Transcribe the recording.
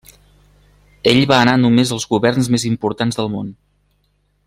Ell va anar només als governs més importants del món.